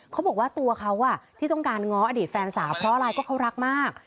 เขาบอกว่าตัวเขาที่ต้องการง้ออดีตแฟนสาวเพราะอะไรเพราะเขารักมาก